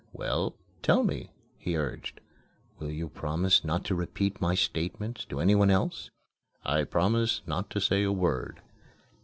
"Well, tell me," he urged. "Will you promise not to repeat my statements to any one else?" "I promise not to say a word."